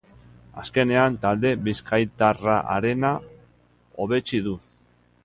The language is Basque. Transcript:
Azkenean, talde bizkaitarraarena hobetsi du.